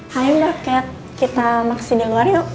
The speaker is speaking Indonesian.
hai mbak cat kita makasih di luar yuk